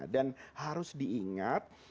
dan harus diingat